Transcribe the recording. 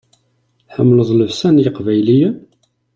Tḥemmleḍ llebsa n yeqbayliyen?